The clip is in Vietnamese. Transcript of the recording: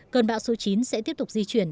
cơn bão số chín sẽ tiếp tục di chuyển